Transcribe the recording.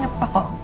gak apa kok